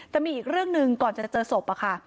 แต่มีอีกเรื่องหนึ่งก่อนจะเจอศพอะค่ะ